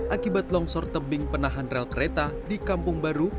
akibat longsor tebing penahan rel kereta di kampung baru